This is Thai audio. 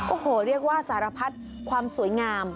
โอ้โหเรียกว่าสารพัดความสวยงาม